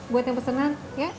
buat yang pesenan ya